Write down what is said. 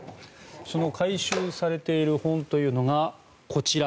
その回収されている本というのがこちら。